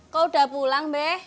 kok udah pulang be